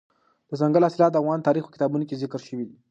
دځنګل حاصلات د افغان تاریخ په کتابونو کې ذکر شوي دي.